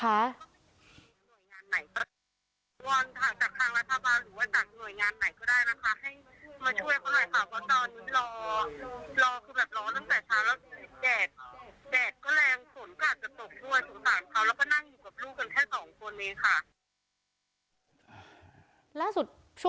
เขาข่าก็สนั่งกับลูกกันแค่สองคนนี้ค่ะ